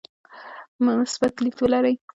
مثبت لید ولرئ.